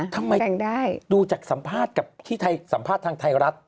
ทำไมดูจากสัมภาษณ์ทางไทยรัฐ